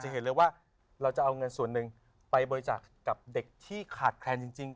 เห็นเลยว่าเราจะเอาเงินส่วนหนึ่งไปบริจาคกับเด็กที่ขาดแคลนจริง